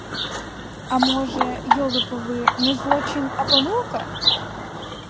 А може, йолопи ви, не злочин, а помилка?!